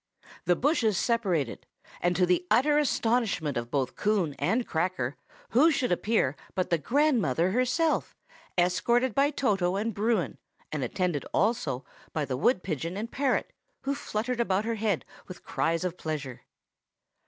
The bushes separated, and to the utter astonishment of both Coon and Cracker, who should appear but the grandmother herself, escorted by Toto and Bruin, and attended also by the wood pigeon and the parrot, who fluttered about her head with cries of pleasure.